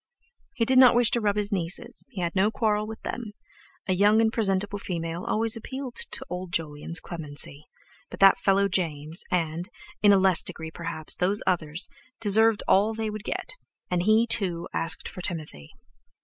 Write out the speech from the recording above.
He did not wish to rub his nieces, he had no quarrel with them—a young and presentable female always appealed to old Jolyon's clemency—but that fellow James, and, in a less degree perhaps, those others, deserved all they would get. And he, too, asked for Timothy.